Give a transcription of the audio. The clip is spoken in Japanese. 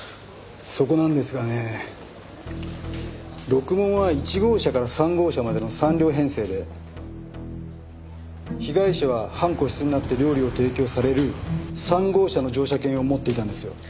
そこなんですがねろくもんは１号車から３号車までの３両編成で被害者は半個室になって料理を提供される３号車の乗車券を持っていたんですよ。